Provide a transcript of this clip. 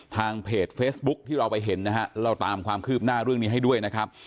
ทางเพจเฟซบุ๊คที่เราไปเห็นนะฮะเราตามความคืบหน้าเรื่องนี้ให้ด้วยนะครับ